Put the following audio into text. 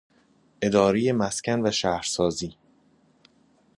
ادارهٔ مسکن و شهرسازی